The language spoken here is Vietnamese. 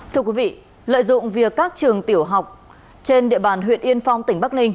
thưa quý vị lợi dụng việc các trường tiểu học trên địa bàn huyện yên phong tỉnh bắc ninh